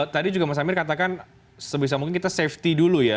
tadi juga mas amir katakan sebisa mungkin kita safety dulu ya